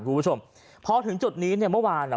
คุณผู้ชมพอถึงจุดนี้เนี่ยเมื่อวานอ่ะ